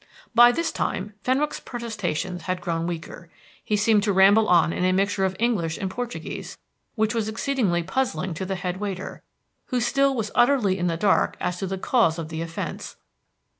By this time Fenwick's protestations had grown weaker. He seemed to ramble on in a mixture of English and Portuguese which was exceedingly puzzling to the head waiter, who still was utterly in the dark as to the cause of offence.